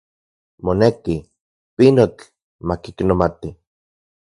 Moneki, pinotl makiknomati.